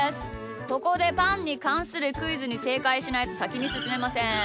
ここでパンにかんするクイズにせいかいしないとさきにすすめません。